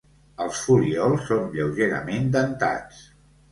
Els folíols són lleugerament dentats.